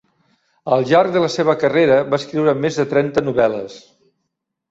Al llarg de la seva carrera va escriure més de trenta novel·les.